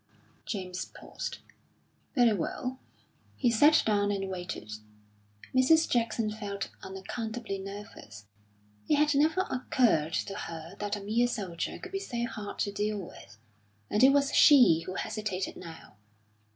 James paused. "Very well." He sat down and waited. Mrs. Jackson felt unaccountably nervous; it had never occurred to her that a mere soldier could be so hard to deal with, and it was she who hesitated now.